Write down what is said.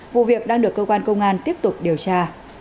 vụ việc đang được cơ quan công an tiếp tục điều tra